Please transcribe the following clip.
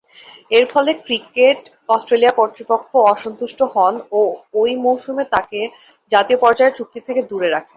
এরফলে, cricket Australia কর্তৃপক্ষ অসন্তুষ্ট হন ও ঐ মৌসুম শেষে তাকে জাতীয় পর্যায়ের চুক্তি থেকে দূরে রাখে।